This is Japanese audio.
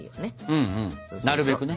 うんうんなるべくね。